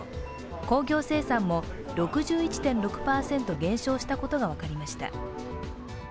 工業生産も６１．６％減少したことが分かりました。